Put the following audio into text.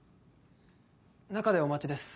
中でお待ちです。